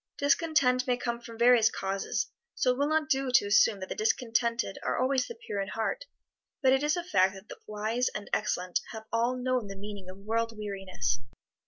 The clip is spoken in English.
Discontent may come from various causes, so it will not do to assume that the discontented are always the pure in heart, but it is a fact that the wise and excellent have all known the meaning of world weariness.